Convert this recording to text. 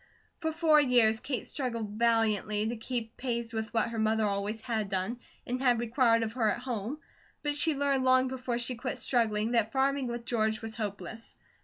For four years, Kate struggled valiantly to keep pace with what her mother always had done, and had required of her at home; but she learned long before she quit struggling that farming with George was hopeless.